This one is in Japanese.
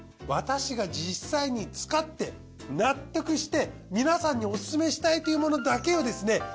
私が実際に使って納得して皆さんにオススメしたいっていうものだけをですね